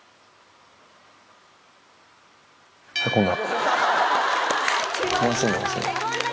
へこんだ。